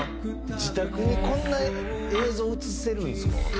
「自宅にこんな映像映せるんですか？」